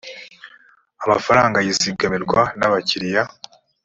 amafaranga yizigamirwa n’abakiriya